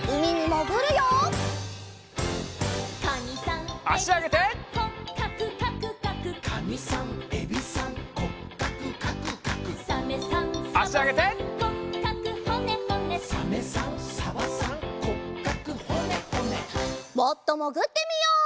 もっともぐってみよう。